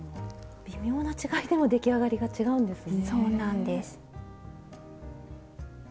微妙な違いでも出来上がりが違うんですね。